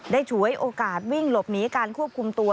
ฉวยโอกาสวิ่งหลบหนีการควบคุมตัว